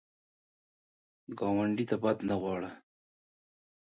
ګاونډي ته بد نه غواړه